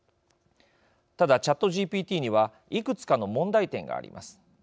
ただ、ＣｈａｔＧＰＴにはいくつかの問題点があります。